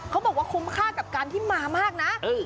เขาบอกว่าคุ้มค่ากับการที่มามากนะ